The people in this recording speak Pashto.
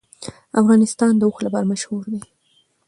افغانستان د اوښ لپاره مشهور دی.